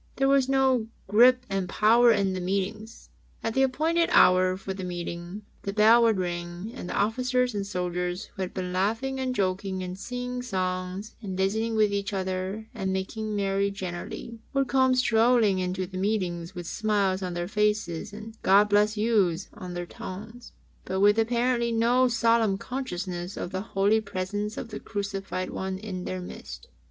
There was no grip and power in the meetings. At the appointed hour for the meeting, the bell would ring and the Officers and Soldiers who had been laughing and joking and singing songs, and visiting with each other and making merry generally, would come strolling into the meetings with smiles on their faces and "God bless yous^^ on their tongues, but with apparently no solemn consciousness of the holy presence of the Crucified One in their midst.